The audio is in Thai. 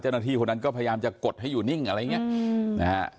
เจ้าหน้าที่คนนั้นก็พยายามจะกดให้อยู่นิ่งอะไรอย่างนี้